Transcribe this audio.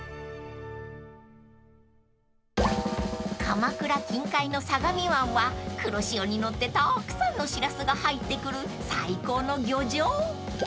［鎌倉近海の相模湾は黒潮に乗ってたくさんのしらすが入ってくる最高の漁場］